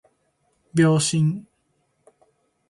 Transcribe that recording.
秒針